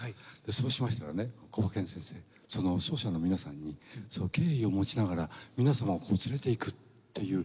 そうしましたらねコバケン先生奏者の皆さんに敬意を持ちながら皆様を連れていくっていう。